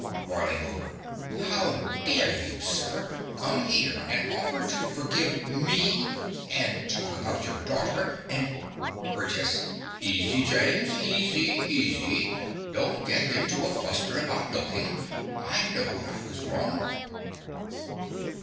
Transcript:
(Boiling over.) How dare you, sir, come here and offer to forgive me, and talk about your daughter, and BURGESS. Easy, James, easy, easy. Don't git hinto a fluster about nothink. I've howned I was wrong.